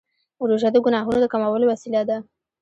روژه د ګناهونو د کمولو وسیله ده.